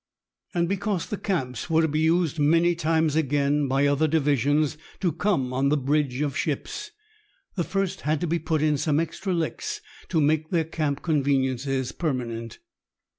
And because the camps were to be used many times again by other divisions to come on the "bridge of ships," the first had to put in some extra licks to make their camp conveniences permanent.